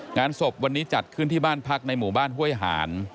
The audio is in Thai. งานศพวันนี้จัดขึ้นที่บ้านพักในหมู่บ้านห้วยหาน